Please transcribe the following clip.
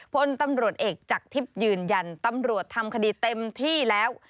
พลตำรวจเอกจากทิพย์ยืนยันตำรวจทำคดีเต็มที่แล้ว